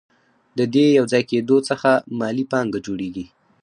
د دې یوځای کېدو څخه مالي پانګه جوړېږي